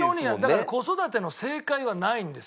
だから子育ての正解はないんですよ。